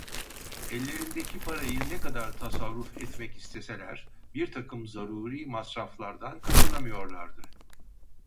Ellerindeki parayı ne kadar tasarruf etmek isteseler, birtakım zaruri masraflardan kaçınamıyorlardı.